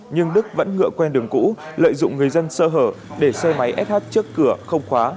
nhưng đức vẫn ngựa quen đường cũ lợi dụng người dân sơ hở để xe máy sh trước cửa không khóa